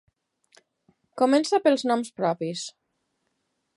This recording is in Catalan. Comença pels noms propis.